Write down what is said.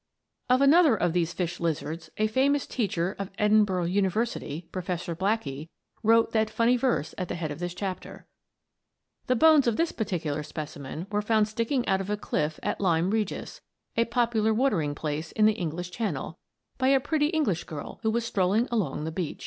Of another of these fish lizards a famous teacher of Edinburgh University, Professor Blackie, wrote that funny verse at the head of this chapter. The bones of this particular specimen were found sticking out of a cliff at Lyme Regis, a popular watering place in the English Channel, by a pretty English girl who was strolling along the beach.